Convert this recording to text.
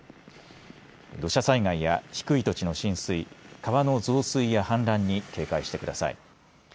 土砂災害や低い土地の浸水川の増水やはん濫に警戒してください。